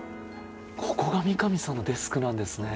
ここが三上さんのデスクなんですね。